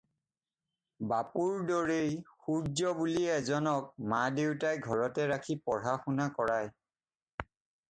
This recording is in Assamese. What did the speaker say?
বাপুৰ দৰেই সূৰ্য্য বুলি এজনক মা দেউতাই ঘৰতে ৰাখি পঢ়াশুনা কৰাই।